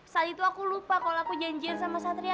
saat itu aku lupa kalau aku janjian sama satria